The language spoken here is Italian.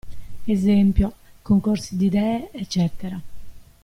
Esempio: concorsi di idee, eccetera.